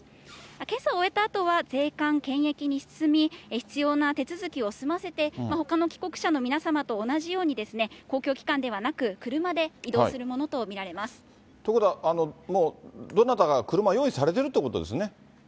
検査を終えたあとは、税関、検疫に進み、必要な手続きを済ませて、ほかの帰国者の皆様と同じように、公共機関ではなく、ということは、もうどなたかが車を用意されているということですね。